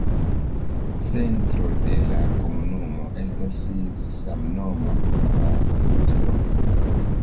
Centro de la komunumo estas samnoma urba loĝloko.